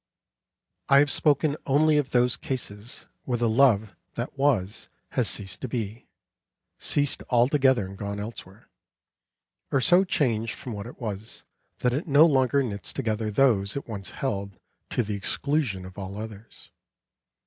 I have spoken only of those cases where the love that was has ceased to be; ceased altogether and gone elsewhere, or so changed from what it was, that it no longer knits together those it once held to the exclusion of all others.